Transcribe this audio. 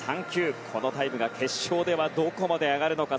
このタイムが決勝ではどこまで上がるのか。